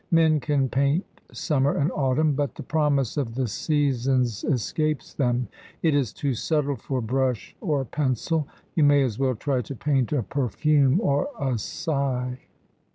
Men can paint summer and autumn, but the promise of the seasons escapes them; it is too subtle for brush or pencil. You may as well try to paint a perfume or a sigh.